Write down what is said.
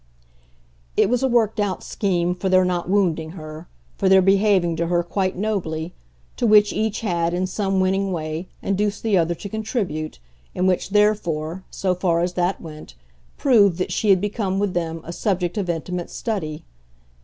It was a worked out scheme for their not wounding her, for their behaving to her quite nobly; to which each had, in some winning way, induced the other to contribute, and which therefore, so far as that went, proved that she had become with them a subject of intimate study.